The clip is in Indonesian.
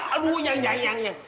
aduh yang yang yang